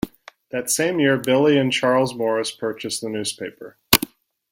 That same year, Billy and Charles Morris purchased the newspaper.